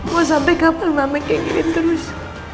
mau sampai kapan mama kaya gini terus